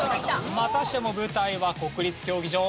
またしても舞台は国立競技場。